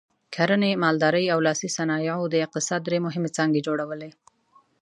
کرنې، مالدارۍ او لاسي صنایعو د اقتصاد درې مهمې څانګې جوړولې.